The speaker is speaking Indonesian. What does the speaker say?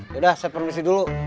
yaudah saya permisi dulu